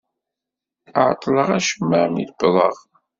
Ɛeṭṭleɣ acemma mi d-wwḍeɣ.